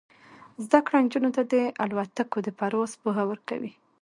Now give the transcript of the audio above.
زده کړه نجونو ته د الوتکو د پرواز پوهه ورکوي.